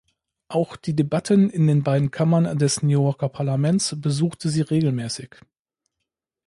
Auch die Debatten in den beiden Kammern des New Yorker Parlaments besuchte sie regelmäßig.